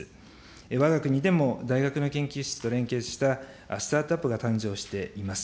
わが国でも大学の研究室と連携したスタートアップが誕生しています。